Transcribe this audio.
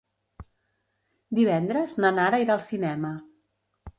Divendres na Nara irà al cinema.